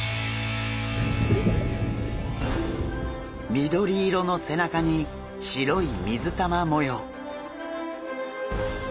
緑色の背中に白い水玉模様。